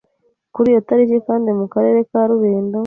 Kuri iyo tariki kandi mu Karere ka Rulindo,